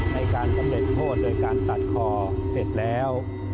สำเร็จโทษโดยการตัดคอเสร็จแล้ว